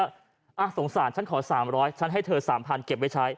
อ้าวสงสารฉันขอ๓๐๐บาทฉันให้เธอ๓๐๐๐บาทเก็บไว้ใช้